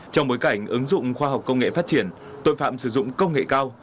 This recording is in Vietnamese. trong bối cảnh ứng dụng khoa học công nghệ phát triển tội phạm sử dụng công nghệ cao